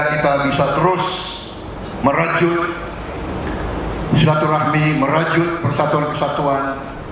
kita terus merajut silaturahmi merajut persatuan kesatuan